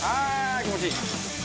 気持ちいい！